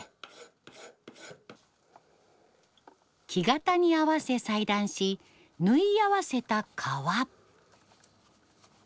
木型に合わせ裁断し縫い合わせた革。